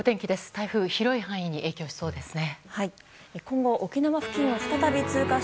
台風広い範囲に影響しそうですね。